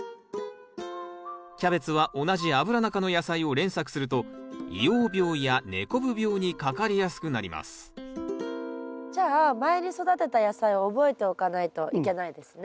キャベツは同じアブラナ科の野菜を連作すると萎黄病や根こぶ病にかかりやすくなりますじゃあ前に育てた野菜を覚えておかないといけないですね。